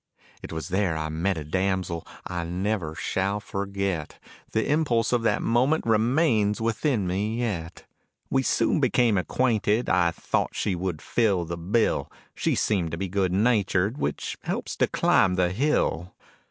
It was there I met a damsel I never shall forget, The impulse of that moment remains within me yet. We soon became acquainted, I thought she would fill the bill, She seemed to be good natured, which helps to climb the hill.